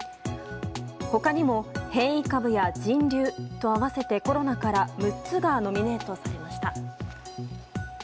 ほかにも変異株や人流と合わせてコロナから６つがノミネートされました。